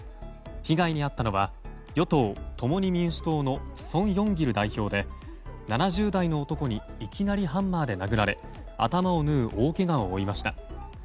被害にあったのは与党・共に民主党のソン・ヨンギル代表で７０代の男にいきなりハンマーで殴られ頭を縫う大けがを負いました。